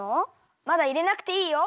まだいれなくていいよ。